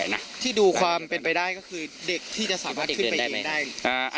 รายละเอียดต่างอยู่ในเรื่องของการสอบสวนนะ